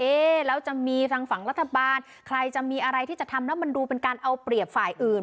แล้วจะมีทางฝั่งรัฐบาลใครจะมีอะไรที่จะทำแล้วมันดูเป็นการเอาเปรียบฝ่ายอื่น